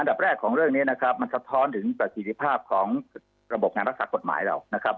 ดับแรกของเรื่องนี้นะครับมันสะท้อนถึงประสิทธิภาพของระบบงานรักษากฎหมายเรานะครับ